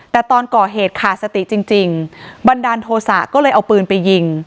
แต่ตอนก่อเหตุขาดสติจริงบันดาลโทษะก็เลยเอาปืนไปยิง